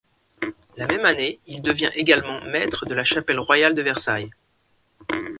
La même année, il devient également maître de la Chapelle royale de Versailles.